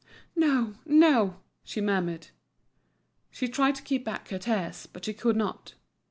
"No, no," she murmured. She tried to keep back her tears, but she could not.